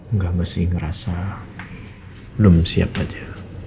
enggak masih ngerasa belum siap aja